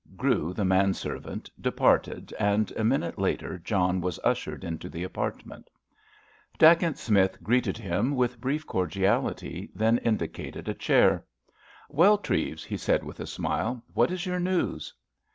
Grew, the man servant, departed, and a minute later John was ushered into the apartment. Dacent Smith greeted him with brief cordiality, then indicated a chair. "Well, Treves," he said, with a smile, "what is your news?"